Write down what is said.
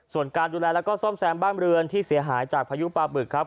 ส่วนการดูแลแล้วก็ซ่อมแซมบ้านเรือนที่เสียหายจากพายุปลาบึกครับ